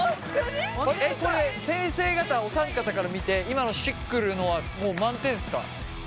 これ先生方お三方から見て今のしっくるのはもう満点ですか？